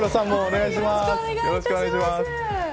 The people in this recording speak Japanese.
よろしくお願いします。